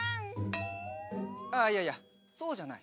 ああいやいやそうじゃない。